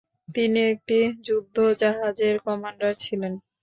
তিনি একটি যুদ্ধজাহাজের কমান্ডার ছিলেন।